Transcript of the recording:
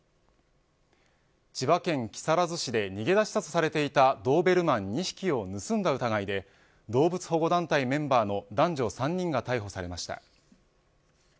千葉県木更津市で逃げ出したとされていたドーベルマン２匹を盗んだ疑いで動物保護団体メンバーの男女３人が逮捕されました。